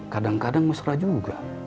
kadang kadang mesra juga